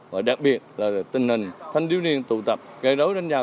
và đặc biệt là tình hình thanh thiếu niên tụ tập gây đối đánh nhau